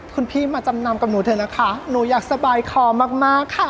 คุณพี่มาจำนำกับหนูเถอะนะคะหนูอยากสบายคอมากมากค่ะ